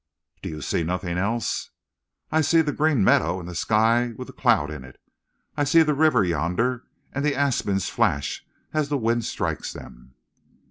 "Do you see nothing else?" "I see the green meadow and the sky with a cloud in it; I see the river yonder and the aspens flash as the wind strikes them."